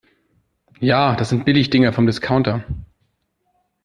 Ja, das sind Billigdinger vom Discounter.